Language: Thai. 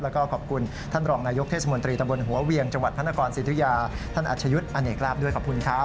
แล้วก็ขอบคุณท่านรองนายกเทศมนตรีตำบลหัวเวียงจังหวัดพระนครสิทธิยาท่านอัชยุทธ์อเนกราบด้วยขอบคุณครับ